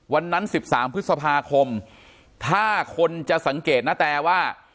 วันนั้น๑๓พฤษภาคมถ้าคนจะสังเกตนาแตว่า